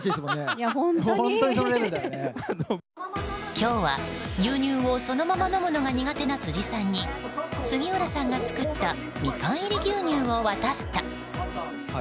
今日は牛乳をそのまま飲むのが苦手な辻さんに杉浦さんが作ったみかん入り牛乳を渡すと。